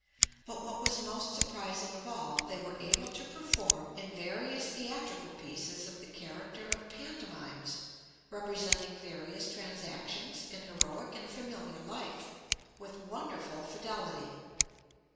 But what was most surprising of all, they were able to perform in various theatrical pieces of the character of pantomimes, representing various transactions in heroic and familiar life, with wonderful fidelity.